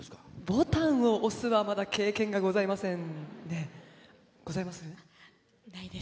ボタンを押すはまだ経験がございません。